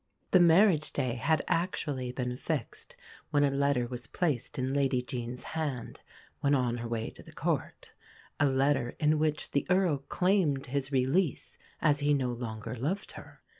The marriage day had actually been fixed when a letter was placed in Lady Jean's hand, when on her way to the Court a letter in which the Earl claimed his release as he no longer loved her.